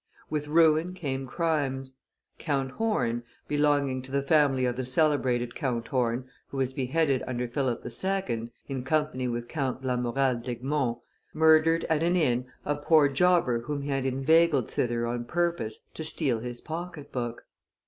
With ruin came crimes. Count Horn, belonging to the family of the celebrated Count Horn, who was beheaded under Philip II., in company with Count Lamoral d'Egmont, murdered at an inn a poor jobber whom he had inveigled thither on purpose to steal his pocket book.